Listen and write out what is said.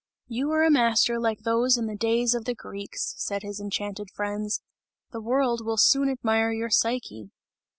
"You are a master like those in the days of the Greeks," said his enchanted friends, "the world will soon admire your Psyche!"